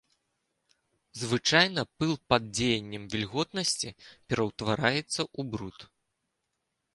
Звычайна пыл пад дзеяннем вільготнасці ператвараецца ў бруд.